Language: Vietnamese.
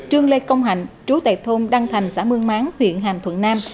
trương lê công hạnh trú tại thôn đăng thành xã mương máng huyện hàm thuận nam